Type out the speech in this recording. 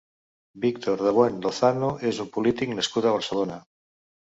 Víctor de Buen Lozano és un polític nascut a Barcelona.